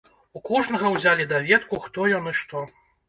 У кожнага ўзялі даведку хто ён і што.